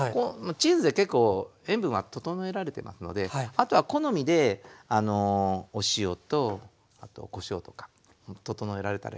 チーズで結構塩分は調えられてますのであとは好みでお塩とあとこしょうとか調えられたらいいと思う。